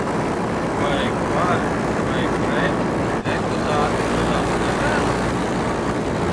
"Vai "par" vai "pret" deputāti runāt nevēlas?"